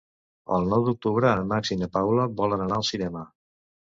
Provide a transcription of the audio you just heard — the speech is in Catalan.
El nou d'octubre en Max i na Paula volen anar al cinema.